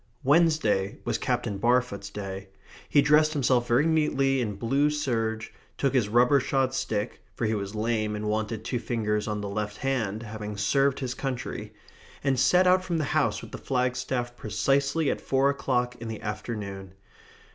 Wednesday was Captain Barfoot's day. He dressed himself very neatly in blue serge, took his rubber shod stick for he was lame and wanted two fingers on the left hand, having served his country and set out from the house with the flagstaff precisely at four o'clock in the afternoon.